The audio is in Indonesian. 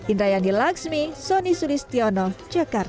indra yandi laksmi soni sulistiono jakarta